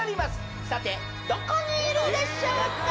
さてどこにいるでしょうか？